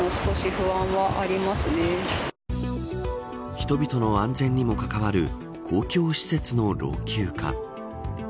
人々の安全にも関わる公共施設の老朽化。